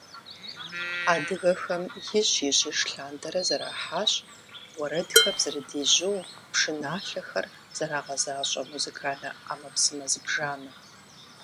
Адыгэхэм ижь-ижьыж лъандэрэ зэрахьащ уэрэдхэм зэрыдежьу, пшыналъэхэр зэрагъэзащӀэ музыкальнэ Ӏэмэпсымэ зыбжанэ.